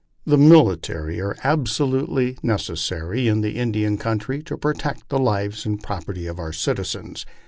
... The military are absolutely necessary in the Indian country to protect the lives and property of our citizens.